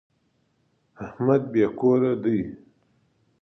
احمد بې کوره دی.